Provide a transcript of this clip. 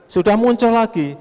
sudah muncul lagi